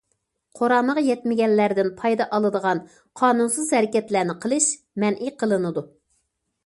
قۇرامىغا يەتمىگەنلەردىن پايدا ئالىدىغان قانۇنسىز ھەرىكەتلەرنى قىلىش مەنئى قىلىنىدۇ.